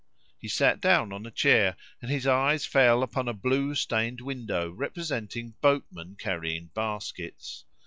He sat down on a chair, and his eyes fell upon a blue stained window representing boatmen carrying baskets.